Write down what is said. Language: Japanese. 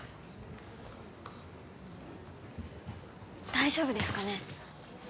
大丈夫ですかね？